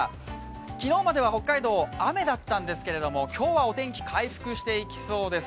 昨日までは北海道、雨だったんですけど、今日はお天気回復していきそうです。